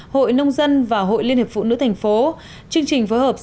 hội nông dân và hội liên hiệp phụ nữ thành phố